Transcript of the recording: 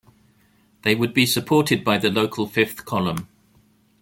They would be supported by the local fifth column.